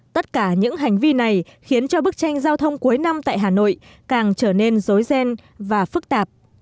tất cả những hành vi này khiến cho bức tranh giao thông cuối năm tại hà nội càng trở nên dối ghen và phức tạp